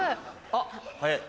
あっ早い！